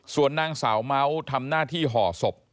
ส่วนนางสาวเมาส์ทำหน้าที่ห่อศพ